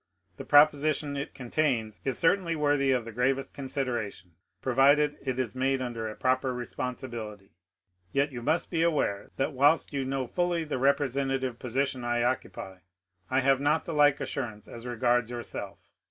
The proposition it contains is certainly worthy of the gravest consideration, pro vided it is made under a proper responsibility, — yet you must be aware, that whilst you know fully the representative position I occupy, I have not the like assurance as regards yourself.